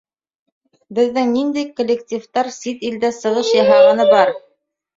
Беҙҙең ниндәй коллективтар сит илдә сығыш яһағаны бар?